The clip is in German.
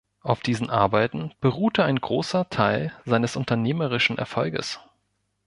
Auf diesen Arbeiten beruhte ein großer Teil seines unternehmerischen Erfolges.